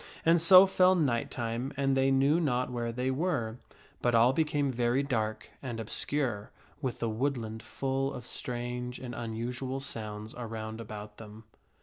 And so fell night time and they knew not where they were ; but all became very dark and obscure, with the woodland full of strange and unusual sounds around about them.